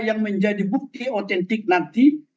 yang menjadi bukti otentik nanti